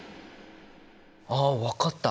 あ分かった！